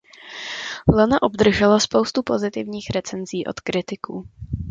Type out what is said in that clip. Lana obdržela spoustu pozitivních recenzí od kritiků.